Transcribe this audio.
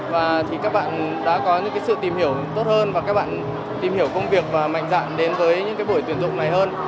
và các bạn đã có những sự tìm hiểu tốt hơn và các bạn tìm hiểu công việc và mạnh dạn đến với những buổi tuyển dụng này hơn